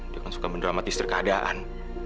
dia kan suka mendramatis terkeadaan